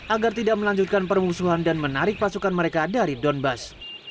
agar tidak melanjutkan permusuhan dan menarik pasukan mereka dari donbass